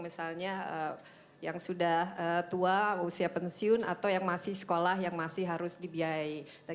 misalnya yang sudah tua usia pensiun atau yang masih sekolah yang masih harus dibiayai